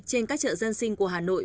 trên các chợ dân sinh của hà nội